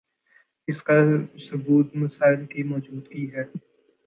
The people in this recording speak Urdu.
اسکا ثبوت مسائل کی موجودگی ہے